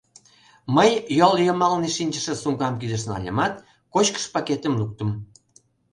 Мый йол йымалне шинчыше сумкам кидыш нальымат, кочкыш пакетым луктым.